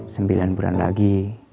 sembilan bulan lagi